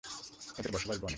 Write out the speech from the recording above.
এদের বসবাস বনে।